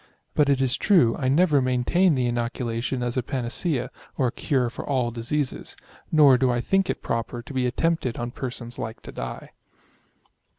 But it is true, I never maintained the ino culation as a panacea, or cure for all diseases ; nor do I think it proper to be attempted on persons like to die.